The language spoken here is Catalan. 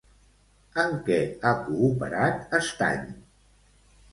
En què ha cooperat Estany?